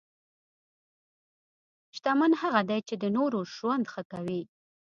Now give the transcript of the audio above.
شتمن هغه دی چې د نورو ژوند ښه کوي.